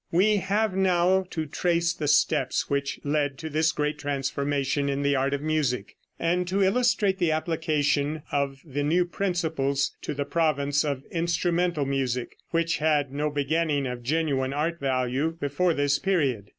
We have now to trace the steps which led to this great transformation in the art of music; and to illustrate the application of the new principles to the province of instrumental music, which had no beginning of genuine art value before this period.